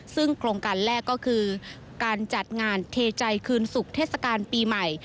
ซึ่งโครงการแรกก็คือการจัดงานเทใจคืนศุกร์เทศกาลปีใหม่